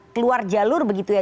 keluar jalur begitu ya